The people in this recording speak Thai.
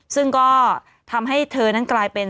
ซึ่งก็ทำให้เธอนั้นกลายเป็น